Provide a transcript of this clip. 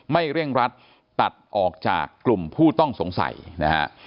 เร่งรัดตัดออกจากกลุ่มผู้ต้องสงสัยนะฮะ